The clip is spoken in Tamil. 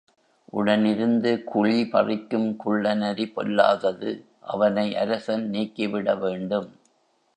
உடன் இருந்து குழிபறிக்கும் குள்ளநரி பொல்லாதது அவனை அரசன் நீக்கிவிட வேண்டும்.